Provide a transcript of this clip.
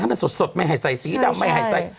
มันสดไม่ให้ใส่สีดำไม่ให้ใส่